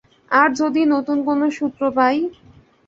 আর যদি নতুন কোনো সূত্র পাই?